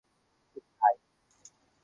โอ้สื่อไทย